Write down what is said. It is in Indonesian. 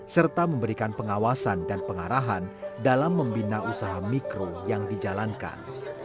serta memberikan pengawasan dan pengarahan dalam membina usaha mikro yang dijalankan